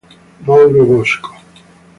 Mauro Bosco